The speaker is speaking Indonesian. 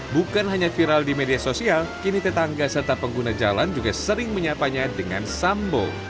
bukan hanya viral di media sosial kini tetangga serta pengguna jalan juga sering menyapanya dengan sambo